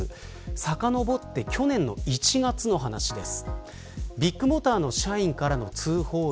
さかのぼって去年の１月の話です。